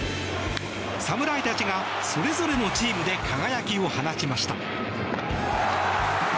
侍たちがそれぞれのチームで輝きを放ちました。